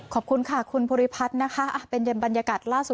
ขอบคุณค่ะคุณภูริพัฒน์นะคะเป็นบรรยากาศล่าสุด